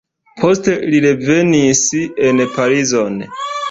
Poste li revenis en Parizon.